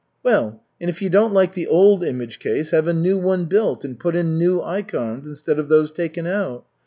"Well, and if you don't like the old image case, have a new one built and put in new ikons instead of those taken out.